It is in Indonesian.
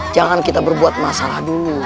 jangan kita berbuat masalah dulu